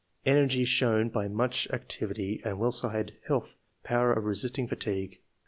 Energy shown by much activity, and, whilst I had health, power of resisting fatigue.